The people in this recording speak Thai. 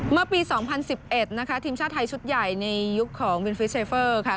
เมื่อปีสองพันสิบเอ็ดนะคะทีมชาติไทยชุดใหญ่ในยุคของค่ะ